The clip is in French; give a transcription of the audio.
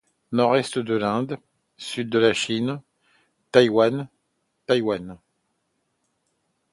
Nord-Est de l'Inde, Sud de la Chine, Thaïlande, Taïwan.